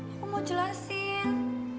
aku mau jelasin